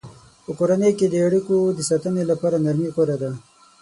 په کورنۍ کې د اړیکو د ساتنې لپاره نرمي غوره ده.